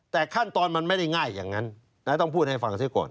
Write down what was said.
แต่ขั้นตอนมันไม่ได้ง่ายอย่างนั้นต้องพูดให้ฟังเสียก่อน